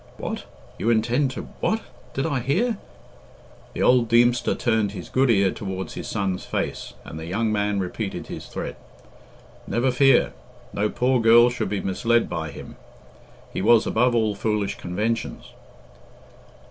"What? You intend to what? Did I hear " The old Deemster turned his good ear towards his son's face, and the young man repeated his threat. Never fear! No poor girl should be misled by him. He was above all foolish conventions.